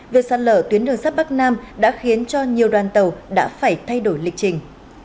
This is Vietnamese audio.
việc sạt lở tuyến đường sắt bắc nam đã khiến cho nhiều đoàn tàu đã phải thay đổi lịch trình